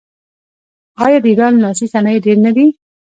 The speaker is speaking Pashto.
آیا د ایران لاسي صنایع ډیر نه دي؟